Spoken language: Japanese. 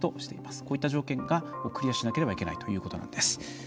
こうした条件をクリアしなければいけないということです。